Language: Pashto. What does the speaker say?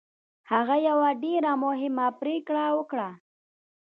هغه یوه ډېره مهمه پرېکړه وکړه